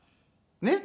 ねっ。